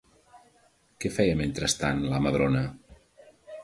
Què feia, mentrestant, la Madrona?